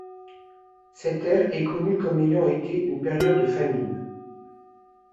Cette ère est connue comme ayant été une période de famine.